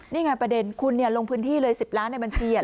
นี่ไงประเด็นคุณลงพื้นที่เลย๑๐ล้านในบัญชี